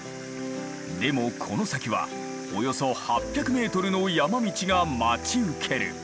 でもこの先はおよそ８００ｍの山道が待ち受ける。